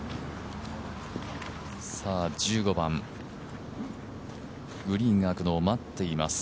１５番、グリーンが空くのを待っています。